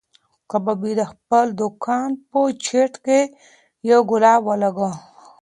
کبابي د خپل دوکان په چت کې یو ګلوب ولګاوه.